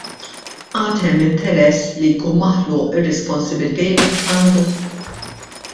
Għad hemm interess li jkun maħluq ir-Responsible Gaming Fund?